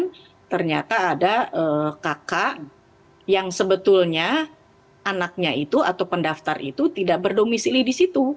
dan ternyata ada kakak yang sebetulnya anaknya itu atau pendaftar itu tidak berdomisili di situ